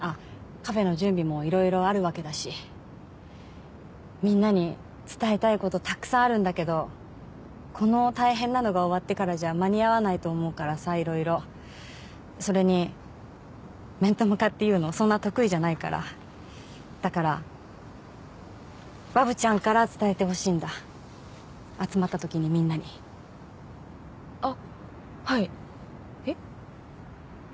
カフェの準備もいろいろあるわけみんなに伝えたいことたくさんあるんだけどこの大変なのが終わってからじゃ間に合わないと思うからさいろいろそれに面と向かって言うのそんな得意だからわぶちゃんから伝えてほしいんだ集まったときにみんなにあっはいえっ？